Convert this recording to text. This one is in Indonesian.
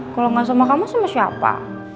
kalau gak sama kamu sama siapa